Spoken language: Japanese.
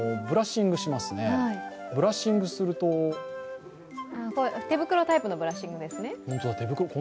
ブラッシングしますね、ブラッシングすると手袋タイプのブラッシングですね。